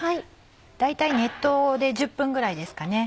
大体熱湯で１０分ぐらいですかね。